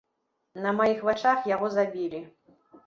На маіх вачах яго забілі.